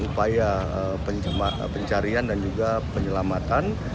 upaya pencarian dan juga penyelamatan